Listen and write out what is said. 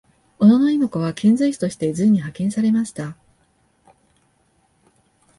小野妹子は遣隋使として隋に派遣されました。